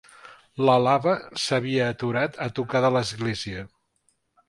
La lava s’havia aturat a tocar de l’església.